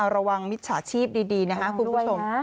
ระวังมิจฉาชีพดีนะคะคุณผู้ชม